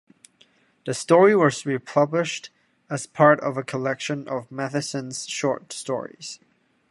The story was republished as part of a collection of Matheson's short stories.